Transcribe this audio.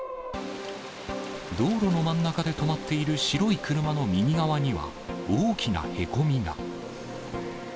道路の真ん中で止まっている白い車の右側には、大きなへこみが。